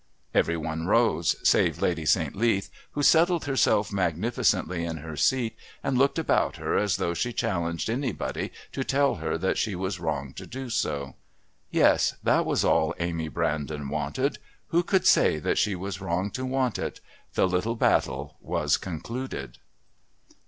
Every one rose save Lady St. Leath, who settled herself magnificently in her seat and looked about her as though she challenged anybody to tell her that she was wrong to do so. Yes, that was all Amy Brandon wanted. Who could say that she was wrong to want it? The little battle was concluded.